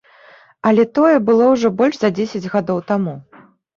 Але тое было ужо больш за дзесяць гадоў таму!